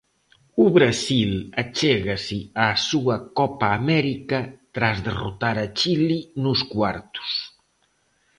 O Brasil achégase á súa Copa América tras derrotar a Chile nos cuartos.